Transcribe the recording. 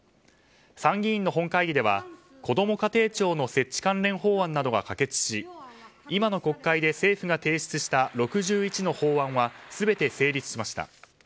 参議院の本会議ではこども家庭庁の設置関連法案などが可決し今の国会で政府が提出した６１の法案は全て成立しました。